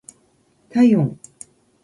体温